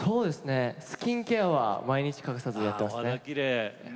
スキンケアは毎日欠かさずやってます。